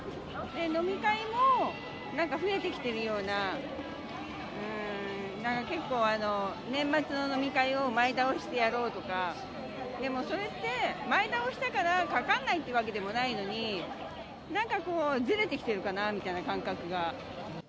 飲み会もなんか増えてきてるような、結構、年末の飲み会を前倒してやろうとか、でもそれって、前倒ししたからかからないっていうわけでもないのに、なんかこう、ずれてきてるかなみたいな、感覚が。